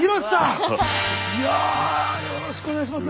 いやよろしくお願いします。